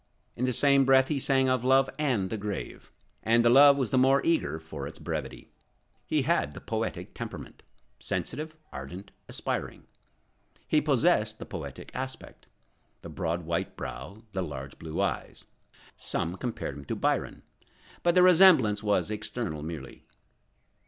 In the same breath he sang of love and the grave, and the love was the more eager for its brevity. He had the poetic temperament—sensitive, ardent, aspiring. He possessed the poetic aspect—the broad white brow, the large blue eyes. Some compared him to Byron, but the resemblance was external merely.